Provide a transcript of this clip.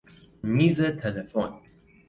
میز تلفن